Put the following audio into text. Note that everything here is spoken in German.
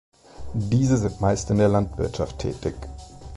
Diese sind meist in der Landwirtschaft tätig.